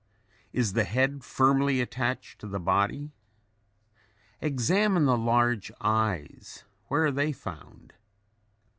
Is the head firmly attached to the body? Examine the large eyes; where are they found?